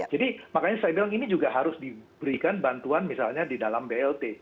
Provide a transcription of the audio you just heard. jadi makanya saya bilang ini juga harus diberikan bantuan misalnya di dalam blt